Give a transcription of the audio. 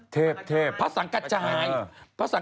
เทพเทพ